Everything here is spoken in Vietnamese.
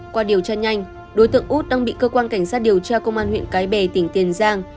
qua điều tra nhanh đối tượng út đang bị cơ quan cảnh sát điều tra công an huyện cái bè tỉnh tiền giang